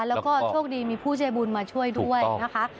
แล้วก็โชคดีมีผู้ใจบุญมาช่วยด้วยนะคะ